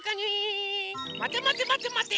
まてまてまてまて。